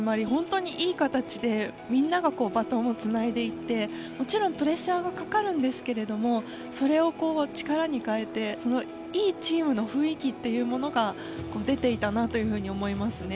本当にいい形でみんながバトンをつないでいってもちろんプレッシャーがかかるんですけどそれを力に変えてそのいいチームの雰囲気というものが出ていたなと思います。